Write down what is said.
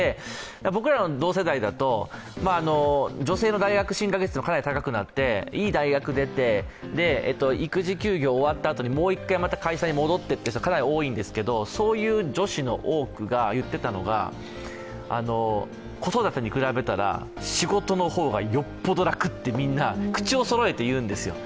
僕らの同世代だと女性の大学進学率もかなり高くなっていい大学を出て、育児休業を終わったあともう一回、また会社に戻る人がかなり多いんですけどそういう女子の多くが言っていたのが子育てに比べたら仕事の方がよっぽど楽ってみんな口をそろえて言うんですよ。